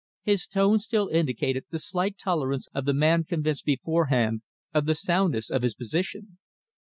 His tone still indicated the slight tolerance of the man convinced beforehand of the soundness of his position.